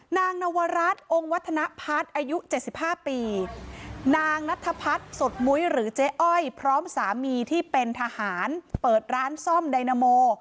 นางนวรัฐองค์วัฒนพัฒน์อายุ๗๕ปีนางนัทพัฒน์สดมุ้ยหรือเจ๊อ้อยพร้อมสามีที่เป็นทหารเปิดร้านซ่อมไดนาโม